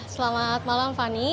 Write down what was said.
selamat malam fani